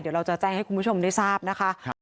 เดี๋ยวเราจะแจ้งให้คุณผู้ชมได้ทราบนะคะ